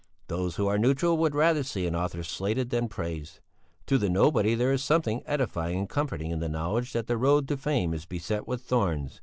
Those who are neutral would rather see an author slated than praised. To the nobody there is something edifying and comforting in the knowledge that the road to fame is beset with thorns.